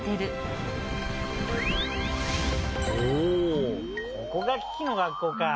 おおここがキキの学校か。